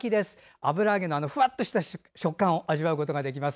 油揚げのふわっとした食感を味わうことができます。